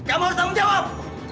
kamu harus tanggung jawab